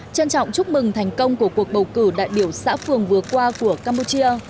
trân trọng chúc mừng thành công của cuộc bầu cử đại biểu xã phường vừa qua của campuchia